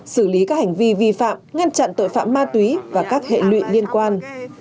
xử lý các hành vi vi phạm ngăn chặn tội phạm ma túy và các hệ lụy liên quan